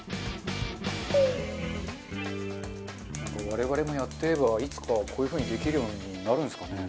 我々もやってればいつかはこういう風にできるようになるんですかね？